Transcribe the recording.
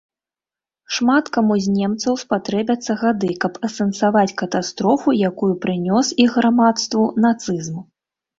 Шмат каму з немцаў спатрэбяцца гады, каб асэнсаваць катастрофу, якую прынёс іх грамадству нацызм.